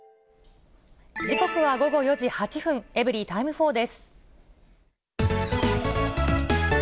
時刻は午後４時８分、エブリィタイム４です。